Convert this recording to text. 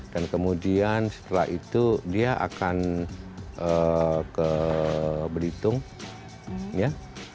dan kemudian setelah itu dia akan ke belitung ya